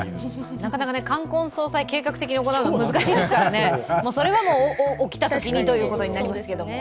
なかなか冠婚葬祭計画的に行うのは難しいですからそれはもう起きたときにとなりますけど。